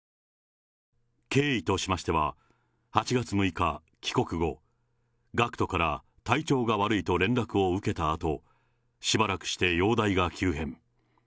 経緯としましては、８月６日帰国後、ＧＡＣＫＴから体調が悪いと連絡を受けたあと、しばらくして容体が急変。